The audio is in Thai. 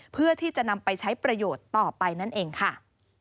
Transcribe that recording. เพื่อที่จะนำไปใช้ประโยชน์ต่อไปนั่นเองค่ะ